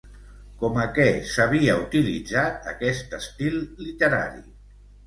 Com a què s'havia utilitzat aquest estil literari?